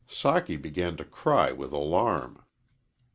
Socky began to cry with alarm.